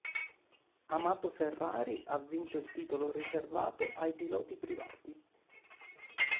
Amato Ferrari ha vinto il titolo riservato ai piloti privati.